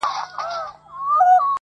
درې ملګري له کلو انډیوالان وه -